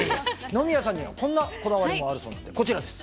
野宮さんにはこんなこだわりもあるということです。